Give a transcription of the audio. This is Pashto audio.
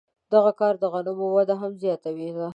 دغه کار د غنمو وده هم زیاتوله.